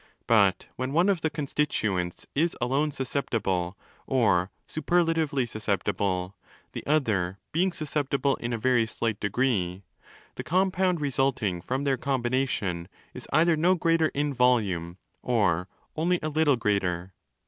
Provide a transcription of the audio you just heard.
But when one of the con stituents is alone susceptible—or superlatively susceptible, the other being susceptible in a very slight degree—the compound resulting from their combination is either no greater in volume or only a little greater.